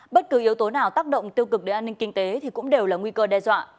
bất cứ yếu tố nào tác động tiêu cực đến an ninh kinh tế thì cũng đều là nguy cơ đe dọa